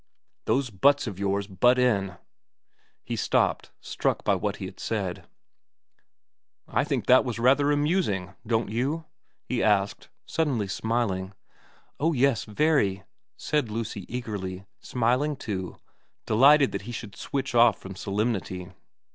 ' Those buts of yours butt in ' He stopped, struck by what he had said. 154 VERA xiv 4 1 think that was rather amusing don't you ?' he asked, suddenly smiling. 4 Oh yes very,' said Lucy eagerly, smiling too, delighted that he should switch off from solemnity.